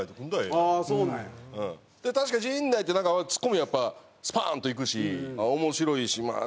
確かに陣内ってツッコミはスパーンといくし面白いしまあ